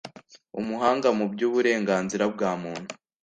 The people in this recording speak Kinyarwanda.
Umuhanga mu by’uburenganzira bwa muntu